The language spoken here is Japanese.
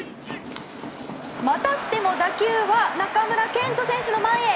またしても打球は中村健人選手の前へ。